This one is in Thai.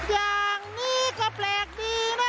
อย่างนี้ก็แปลกดีนะ